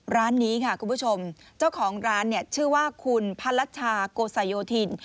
ร้านนี้ค่ะคุณผู้ชมเจ้าของร้านชื่อว่าคุณพลัชชาโกสยธิน